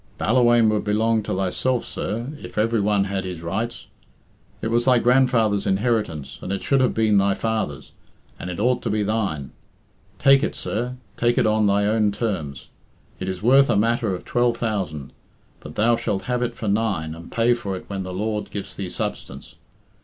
Balla whaine would belong to thyself, sir, if every one had his rights. It was thy grandfather's inheritance, and it should have been thy father's, and it ought to be thine. Take it, sir, take it on thy own terms; it is worth a matter of twelve thousand, but thou shalt have it for nine, and pay for it when the Lord gives thee substance.